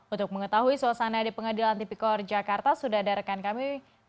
untuk mengetahui suasana di pengadilan tipikor jakarta sudah ada rekan kami